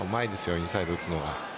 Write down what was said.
インサイド打つのが。